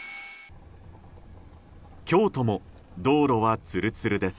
京都も道路はツルツルです。